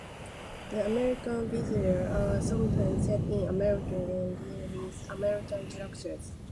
The American versions are sometimes set in America and deal with American characters.